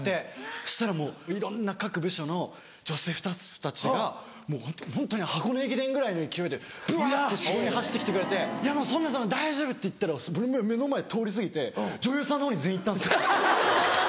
そしたらもういろんな各部署の女性スタッフたちがもうホントに箱根駅伝ぐらいの勢いでぶわって走って来てくれて「いやもうそんなそんな大丈夫」って言ったら目の前通り過ぎて女優さんのほうに全員行ったんですよ。